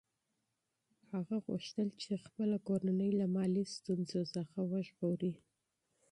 هغه غوښتل چې خپله کورنۍ له مالي ستونزو څخه وژغوري.